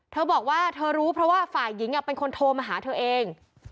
เธอบอกว่าเธอรู้เพราะว่าฝ่ายหญิงเป็นคนโทรมาหาเธอเอง